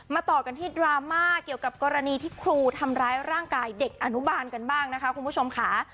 ต่อกันที่ดราม่าเกี่ยวกับกรณีที่ครูทำร้ายร่างกายเด็กอนุบาลกันบ้างนะคะคุณผู้ชมค่ะ